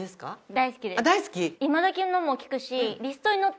大好き？